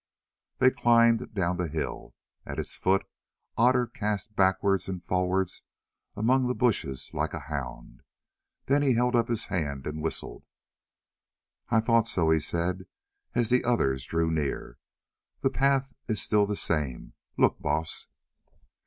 They climbed down the hill. At its foot Otter cast backwards and forwards among the bushes like a hound. Then he held up his hand and whistled. "I thought so," he said, as the others drew near; "the path is still the same. Look, Baas."